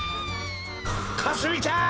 かすみちゃん！